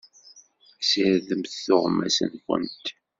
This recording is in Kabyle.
Sirdemt tuɣmas-nkent!